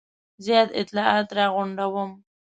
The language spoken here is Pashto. زیات اطلاعات را غونډوم.